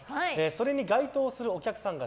それに該当するお客さんが